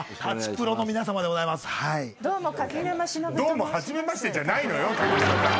「どうも初めまして」じゃないのよ柿沼さん。